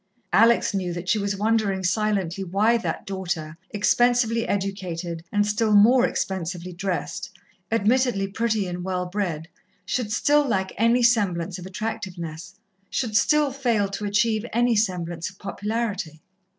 Alex knew that she was wondering silently why that daughter, expensively educated and still more expensively dressed, admittedly pretty and well bred, should still lack any semblance of attractiveness, should still fail to achieve any semblance of popularity.